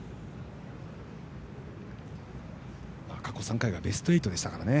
過去３回がベスト８でしたからね。